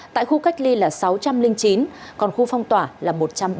tại khu cách ly là sáu trăm linh chín còn khu phong tỏa là một trăm ba mươi